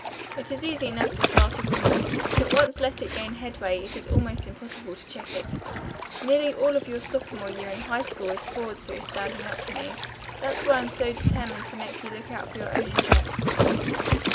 It is easy enough to start a rumor but once let it gain headway, it is almost impossible to check it. Nearly all of your sophomore year in high school was spoiled through standing up for me. That's why I'm so determined to make you look out for your own interests."